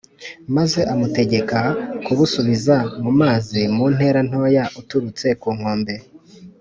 maze amutegeka kubusubiza mu mazi mu ntera ntoya uturutse ku nkombe